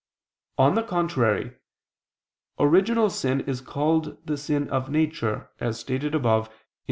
On the contrary, Original sin is called the sin of nature, as stated above (Q.